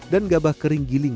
dan gabah kering giling